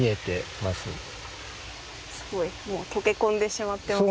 すごい溶け込んでしまってますね。